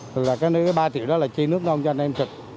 thực ra cái ba triệu đó là chi nước nông doanh em trực